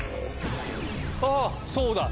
あそうだ！